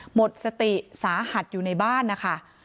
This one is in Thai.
หมดสติสาหัสอยู่ในบ้านนะคะ